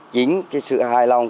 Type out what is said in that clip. chính sự hài lòng